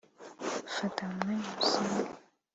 Fata umwanya usenge